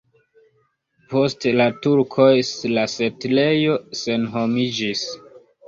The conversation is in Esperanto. Post la turkoj la setlejo senhomiĝis.